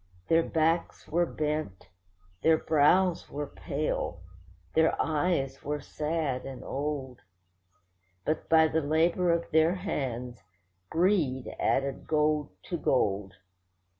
Their backs were bent, their brows were pale, their eyes were sad and old; But by the labour of their hands greed added gold to gold.